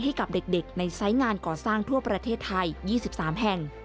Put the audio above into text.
ให้กับเด็กในไซส์งานก่อสร้างทั่วประเทศไทย๒๓แห่ง